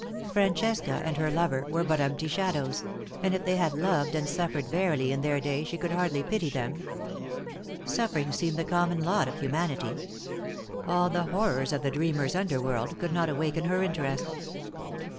Francesca and her lover were but empty shadows; and if they had loved and suffered verily in their day she could hardly pity them. Suffer ing seemed the common lot of humanity. All the horrors of the dreamer's underworld could not awaken her interest.